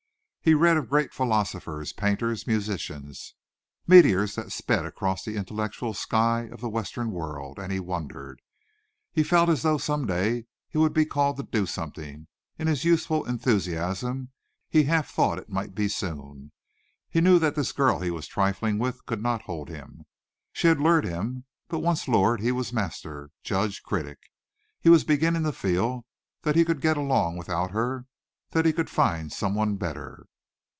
He read of great philosophers, painters, musicians, meteors that sped across the intellectual sky of the western world, and he wondered. He felt as though some day he would be called to do something in his youthful enthusiasm he half thought it might be soon. He knew that this girl he was trifling with could not hold him. She had lured him, but once lured he was master, judge, critic. He was beginning to feel that he could get along without her, that he could find someone better.